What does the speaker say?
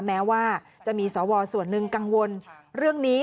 แม้ว่าจะมีสวส่วนหนึ่งกังวลเรื่องนี้